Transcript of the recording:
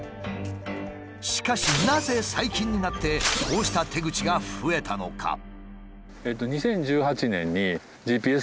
しかしなぜ最近になってこうした手口が増えたのか？